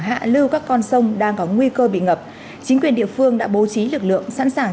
hạ lưu các con sông đang có nguy cơ bị ngập chính quyền địa phương đã bố trí lực lượng sẵn sàng